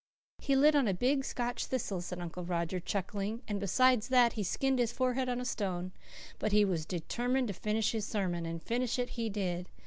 "He lit on a big Scotch thistle," said Uncle Roger, chuckling, "and besides that, he skinned his forehead on a stone. But he was determined to finish his sermon, and finish it he did.